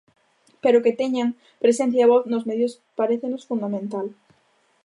Pero que teñan presencia e voz nos medios parécenos fundamental.